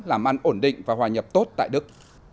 làm ăn ổn định và hòa nhập tốt tại đức